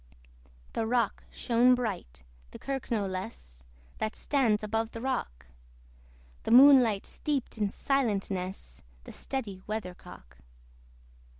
The rock shone bright, the kirk no less, That stands above the rock: The moonlight steeped in silentness The steady weathercock.